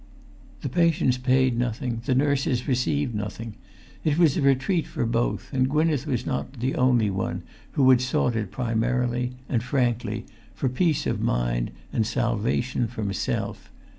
The patients paid nothing; the nurses received nothing; it was a retreat for both, and Gwynneth[Pg 354] was not the only one who had sought it primarily, and frankly, for peace of mind and salvation from self.